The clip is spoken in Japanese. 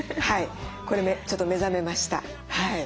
これちょっと目覚めました。